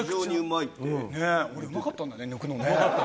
俺、うまかったんだね、抜くのね。